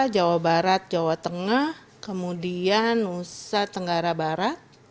jawa barat jawa tengah kemudian nusa tenggara barat